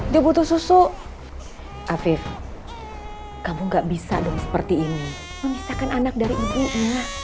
dia butuh susu afif kamu gak bisa dong seperti ini memisahkan anak dari ibunya